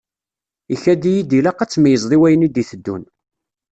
Ikad-iyi-d ilaq ad tmeyyzeḍ i wayen i d-iteddun.